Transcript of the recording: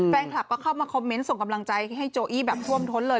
แฟนคลับก็เข้ามาคอมเมนต์ส่งกำลังใจให้โจอี้แบบท่วมท้นเลย